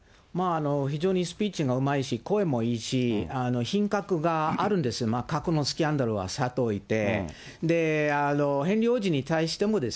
非常にスピーチがうまいし、声もいいし、品格があるんですよ、過去のスキャンダルはさておいて。